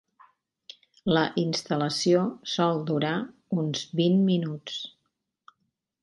La instal·lació sol durar uns vint minuts.